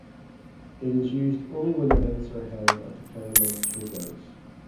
It is used only when events are held at the Claremont Showgrounds.